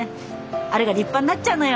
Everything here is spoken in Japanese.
あれが立派んなっちゃうのよ